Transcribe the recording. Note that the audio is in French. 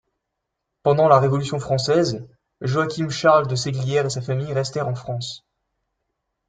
Pendant la Révolution française, Joachim Charles de Seiglière et sa famille restèrent en France.